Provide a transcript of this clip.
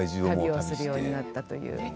旅するようになったという。